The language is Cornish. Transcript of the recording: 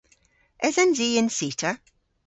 Esens i y'n cita?